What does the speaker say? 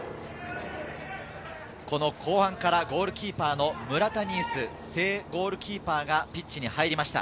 この後半からゴールキーパーの村田新直、正ゴールキーパーがピッチに入りました。